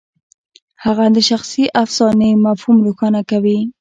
هغه د شخصي افسانې مفهوم روښانه کوي.